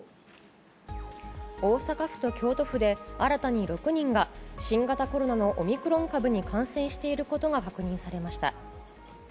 大阪府と京都府で新たに６人が新型コロナのオミクロン株に感染していることが確認されました。